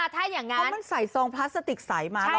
ถ้าอย่างนั้นเพราะมันใส่ซองพลาสติกใสมา